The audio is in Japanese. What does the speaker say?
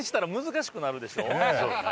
そうですね。